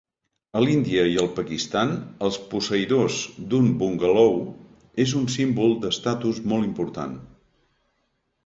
A l'Índia i el Pakistan, els posseïdors d'un bungalou és un símbol d'estatus molt important.